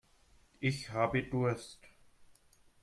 Ich habe Durst.